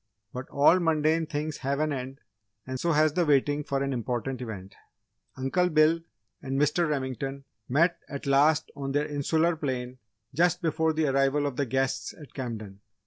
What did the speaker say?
But all mundane things have an end and so has the waiting for an important event. Uncle Bill and Mr. Remington met at last on their 'insular plane' just before the arrival of the guests at Camden.